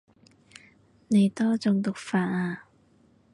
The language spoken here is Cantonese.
你多種讀法啊